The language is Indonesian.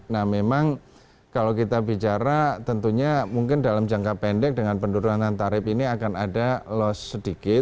nah memang kalau kita bicara tentunya mungkin dalam jangka pendek dengan penurunan tarif ini akan ada loss sedikit